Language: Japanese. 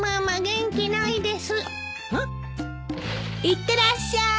いってらっしゃい！